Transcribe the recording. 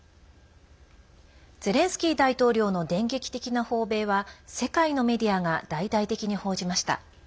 ゼレンスキー大統領の電撃的な訪米は世界のメディアが大々的に報じました。